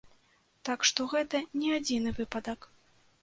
Так што гэта не адзіны выпадак.